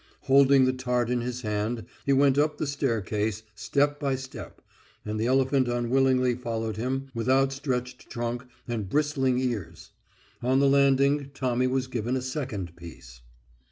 Holding the tart in his hand he went up the staircase, step by step, and the elephant unwillingly followed him with outstretched trunk and bristling ears. On the landing Tommy was given a second piece.